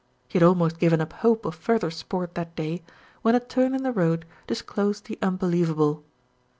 He had almost given up hope of further sport that day, when a turn in the road disclosed the unbeliev able.